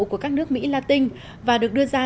của các nước mỹ latin và được đưa ra